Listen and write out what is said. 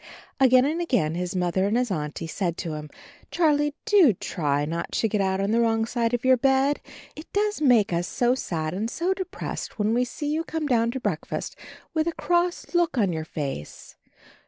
Again and again his Mother and his Auntie said to him: "Charlie, do try not to get out on the wrong side of your bed. It does make us so sad and so de pressed when we see you come down to breakfast with a cross look on your face.